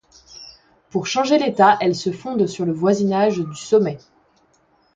Pour changer l'état, elle se fonde sur le voisinage du sommet.